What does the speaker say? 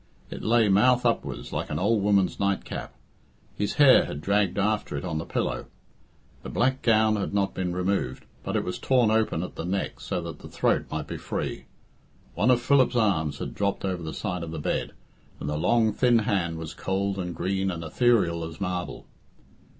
It lay mouth upwards like any old woman's night cap. His hair had dragged after it on the pillow. The black gown had not been removed, but it was torn open at the neck so that the throat might be free. One of Philip's arms had dropped over the side of the bed, and the long, thin hand was cold and green and ethereal as marble.